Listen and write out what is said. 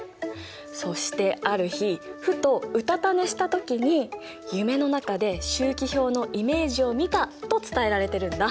そしてある日ふとうたた寝した時に夢の中で周期表のイメージを見たと伝えられてるんだ。